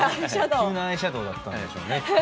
急なアイシャドーだったんでしょうねきっとね。